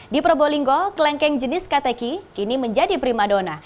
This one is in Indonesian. di probolinggo kelengkeng jenis kateki kini menjadi primadona